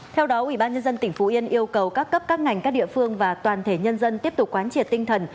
theo đó ubnd tỉnh phú yên yêu cầu các cấp các ngành các địa phương và toàn thể nhân dân tiếp tục quán triệt tinh thần